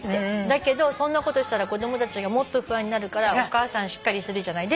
だけどそんなことしたら子供たちがもっと不安になるからお母さんしっかりするじゃない。